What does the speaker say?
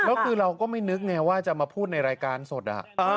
แล้วคือเราก็ไม่นึกไงว่าจะมาพูดในรายการสด